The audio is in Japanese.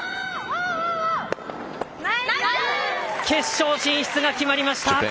決勝進出が決まりました。